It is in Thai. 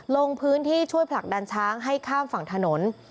ลงพื้นที่ช่วยผลักดันช้างให้ข้ามฝั่งถนน